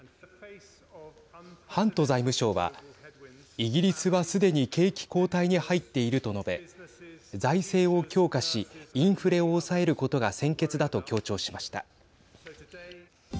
ハント財務相はイギリスはすでに景気後退に入っていると述べ財政を強化しインフレを抑えることが先決だと強調しました。